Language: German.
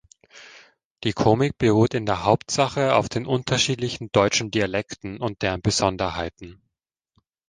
Die Komik beruht in der Hauptsache auf den unterschiedlichen deutschen Dialekten und deren Besonderheiten.